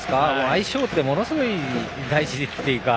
相性ってものすごい大事というか